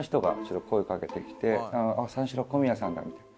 「三四郎小宮さんだ」みたいな。